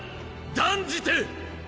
断じて！